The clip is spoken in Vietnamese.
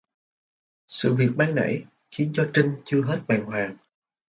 Sự việc ban nãy khiến cho Trinh chưa hết bàng hoàng